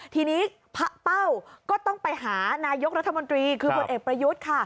ทีนี้พระเป้าก็ต้องไปหานายกรัฐมนตรีคือผลเอกประยุทธ์ค่ะ